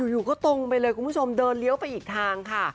อยู่ก็ตรงไปเลยคุณผู้ชมเดินเลี้ยวไปอีกทางค่ะ